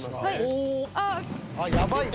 おお。あっやばいね。